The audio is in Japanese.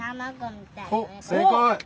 おっ正解。